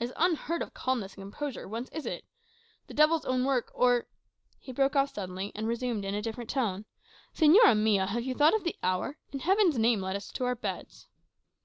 This unheard of calmness and composure, whence is it? The devil's own work, or" he broke off suddenly and resumed in a different tone, "Señora mia, have you thought of the hour? In Heaven's name, let us to our beds!"